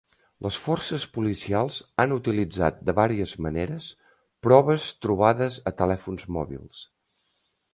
Les forces policials han utilitzat, de vàries maneres, proves trobades a telèfons mòbils.